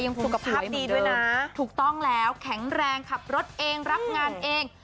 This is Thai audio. สุขภาพดีด้วยนะถูกต้องแล้วแข็งแรงขับรถเองรับงานเอง